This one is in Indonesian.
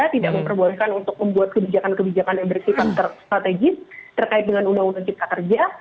tidak memperbolehkan untuk membuat kebijakan kebijakan yang bersifat strategis terkait dengan undang undang cipta kerja